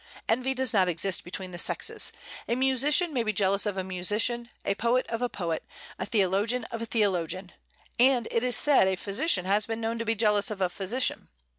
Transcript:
Envy does not exist between the sexes: a musician may be jealous of a musician; a poet, of a poet; a theologian, of a theologian; and it is said, a physician has been known to be jealous of a physician.